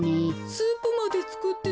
スープまでつくってたし。